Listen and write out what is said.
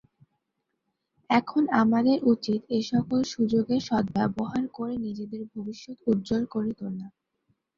এখন আমাদের উচিত এ সকল সুযোগের সদ্ব্যবহার করে নিজেদের ভবিষ্যৎ উজ্জ্বল করে তোলা।